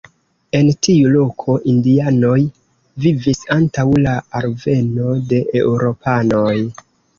En tiu loko indianoj vivis antaŭ la alveno de eŭropanoj.